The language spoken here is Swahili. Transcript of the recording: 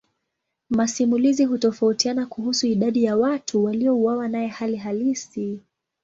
Masimulizi hutofautiana kuhusu idadi ya watu waliouawa naye hali halisi.